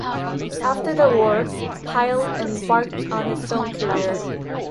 After the war, Pyle embarked on his film career.